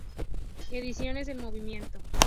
Ediciones del Movimiento.